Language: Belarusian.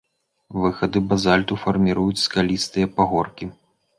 Выхады базальту фарміруюць скалістыя пагоркі.